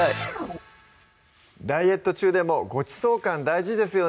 ダイエット中でもごちそう感大事ですよね